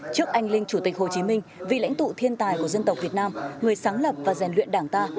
trước anh linh chủ tịch hồ chí minh vị lãnh tụ thiên tài của dân tộc việt nam người sáng lập và rèn luyện đảng ta